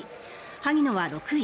萩野は６位。